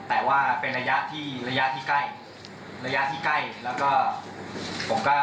แต่ว่าเป็นระยะที่ระยะที่ใกล้ระยะที่ใกล้แล้วก็ผมก็